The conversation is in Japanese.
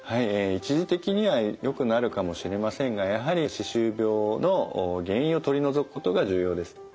一時的にはよくなるかもしれませんがやはり歯周病の原因を取り除くことが重要です。